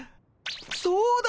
そうだ！